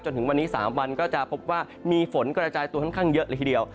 ถึงวันนี้๓วันก็จะพบว่ามีฝนกระจายตัวค่อนข้างเยอะเลยทีเดียว